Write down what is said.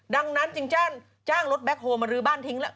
ดังนั้นจึงจ้างรถแบ็คโฮมาลื้อบ้านทิ้งแล้ว